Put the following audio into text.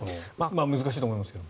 難しいと思いますが。